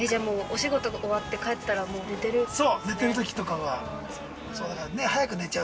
◆お仕事が終わって帰ったら、もう寝てるって感じ？